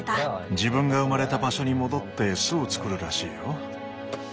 自分が生まれた場所に戻って巣を作るらしいよ。